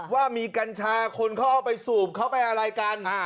ว่ามีกัญชาคนเขาเอาไปสูบเขาไปอะไรกัน